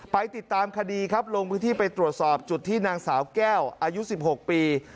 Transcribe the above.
ไปติดตามคดีครับลงพื้นที่ไปตรวจสอบจุดที่นางสาวแก้วอายุ๑๖ปี